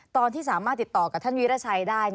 ตอนที่สามารถติดต่อกับท่านวิราชัยได้